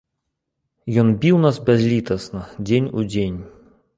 Ён біў нас бязлітасна дзень у дзень.